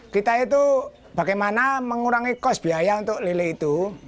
kita itu bagaimana mengurangi kos biaya untuk lili itu